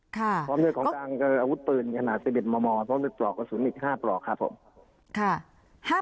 ความดูดของทางคืออาวุธปืนขนาด๑๑มความดูดปลอกกระสุนอีก๕ปลอกครับผม